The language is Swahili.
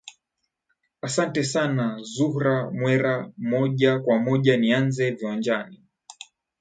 asante sana zuhra mwera moja kwa moja nianzie viwanjani